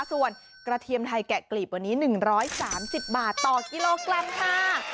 ส่วนกระเทียมไทยแกะกลีบวันนี้๑๓๐บาทต่อกิโลกรัมค่ะ